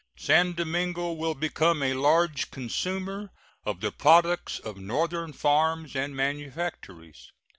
San Domingo will become a large consumer of the products of Northern farms and manufactories.